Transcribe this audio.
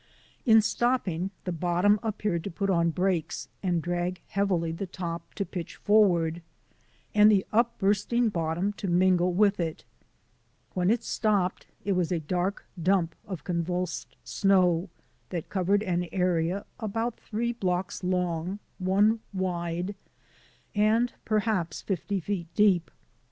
In stopping, the bottom appeared to put on brakes and drag heavily, the top to pitch forward, and the upbursting bottom to mingle with it. When it stopped it was a dark dump of convulsed snow that covered an area about three blocks long, one wide, and perhaps fifty feet deep.